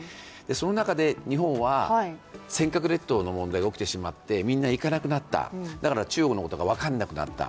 その中で日本は選挙区列島の問題が起こってしまってみんな行かなくなった、だから中国のことが分からなくなった。